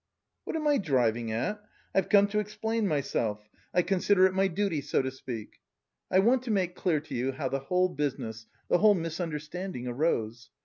"What am I driving at? I've come to explain myself, I consider it my duty, so to speak. I want to make clear to you how the whole business, the whole misunderstanding arose.